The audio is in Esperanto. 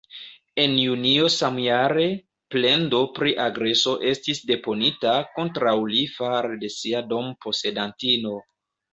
En junio samjare, plendo pri agreso estis deponita kontraŭ li fare de sia dom-posedantino.